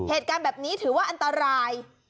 เหตุการณ์แบบนี้ถือว่าอันตราย